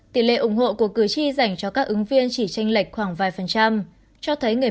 tỷ lệ ủng hộ của cử tri dành cho các ứng viên chỉ tranh lệch khoảng vài phần trăm cho thấy người